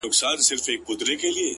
دا ستا د سترگو په كتاب كي گراني ـ